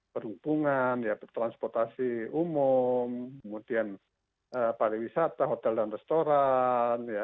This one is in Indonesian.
perhubungan transportasi umum kemudian pariwisata hotel dan restoran